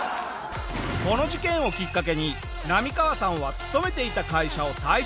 この事件をきっかけにナミカワさんは勤めていた会社を退職。